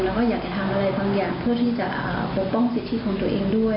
แล้วก็อยากจะทำอะไรบางอย่างเพื่อที่จะปกป้องสิทธิของตัวเองด้วย